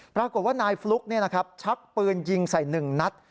ปรากฏว่านายฟลุ๊กชักปืนยิงใส่๑นัด